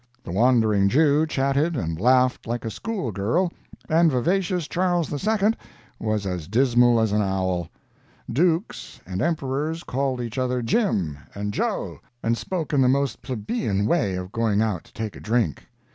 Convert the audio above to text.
The Wandering Jew chatted and laughed like a school girl, and vivacious Charles II. was as dismal as an owl. Dukes and Emperors called each other "Jim" and "Joe," and spoke in the most plebeian way of going out to take a drink.